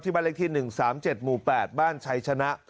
บ้านเลขที่๑๓๗หมู่๘บ้านชัยชนะ